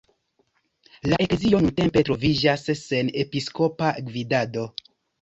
La eklezio nuntempe troviĝas sen episkopa gvidado.